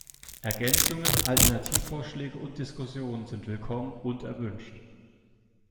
Ergänzungen, Alternativvorschläge und Diskussionen sind willkommen und erwünscht.